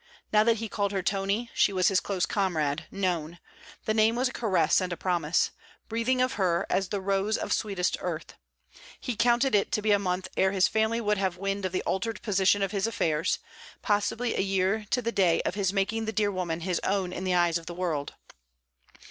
Now that he called her Tony, she was his close comrade, known; the name was a caress and a promise, breathing of her, as the rose of sweetest earth. He counted it to be a month ere his family would have wind of the altered position of his affairs, possibly a year to the day of his making the dear woman his own in the eyes of the world.